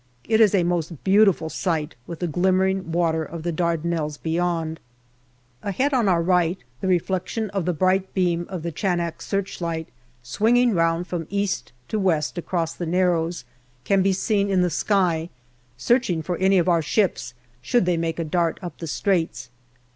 It is a most beautiful sight, with the glimmering water of the Dardanelles beyond. Ahead on our right the reflection of the bright beam of Chanak searchlight, swinging round from east to west across the Narrows, can be seen in the sky, searching for any of our ships, should they make a dart up the Straits.